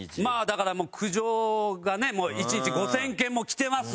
だから苦情がね１日５０００件も来てますので。